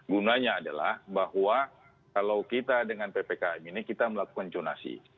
gunanya adalah bahwa kalau kita dengan ppkm ini kita melakukan jonasi